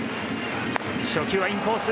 初球はインコース。